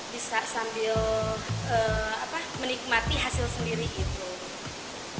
bisa sambil menikmati hasil sendiri gitu